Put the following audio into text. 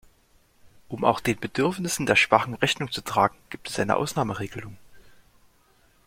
Um auch den Bedürfnissen der Schwachen Rechnung zu tragen, gibt es eine Ausnahmeregelung.